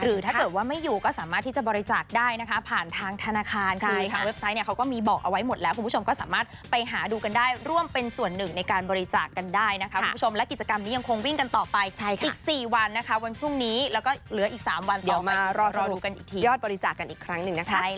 หรือถ้าเกิดว่าไม่อยู่ก็สามารถที่จะบริจาคได้นะคะผ่านทางธนาคารคือทางเว็บไซต์เนี้ยเขาก็มีบอกเอาไว้หมดแล้วคุณผู้ชมก็สามารถไปหาดูกันได้ร่วมเป็นส่วนหนึ่งในการบริจาคกันได้นะคะค่ะค่ะค่ะค่ะค่ะค่ะค่ะค่ะค่ะค่ะค่ะค่ะค่ะค่ะค่ะค่ะค่ะค่ะค่ะค่ะค่ะค่ะค่ะค่ะค่ะค่ะค่ะค่ะ